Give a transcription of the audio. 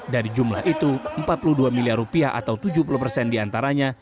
dari jumlah itu empat puluh dua miliar rupiah atau tujuh puluh persen diantaranya